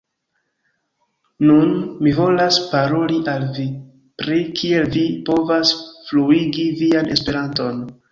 Nun, mi volas paroli al vi, pri kiel vi povas fluigi vian Esperanton.